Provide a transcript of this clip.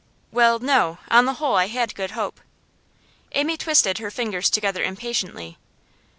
'Well, no; on the whole I had good hope.' Amy twisted her fingers together impatiently.